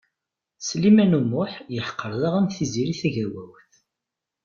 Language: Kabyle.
Sliman U Muḥ yeḥqer daɣen Tiziri Tagawawt.